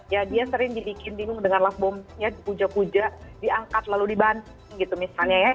ya dia sering dibikin bingung dengan love bomnya dipuja puja diangkat lalu dibanting gitu misalnya ya